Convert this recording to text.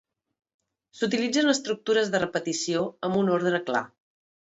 S'utilitzen estructures de repetició amb un ordre clar.